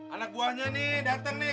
anak buahnya nih datang nih